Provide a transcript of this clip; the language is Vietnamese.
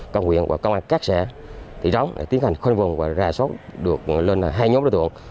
công nguyện và công an các xã thị trống để tiến hành khuân vùng và rà sốt được lên hai nhóm đối tượng